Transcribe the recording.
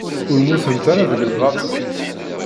Ur mmutent ara deg lbaṭel.